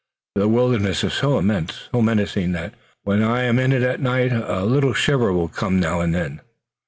"The wilderness is so immense, so menacing that when I am in it at night a little shiver will come now and then.